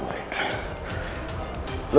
tidak ada yang bisa dihukum